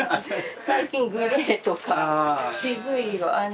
最近グレーとか渋い色あんな。